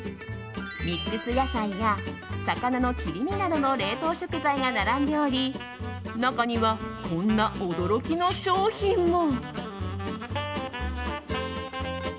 ミックス野菜や魚の切り身などの冷凍食材が並んでおり中には、こんな驚きの商品も。